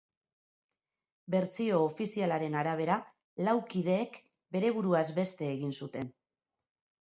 Bertsio ofizialaren arabera lau kideek bere buruaz beste egin zuten.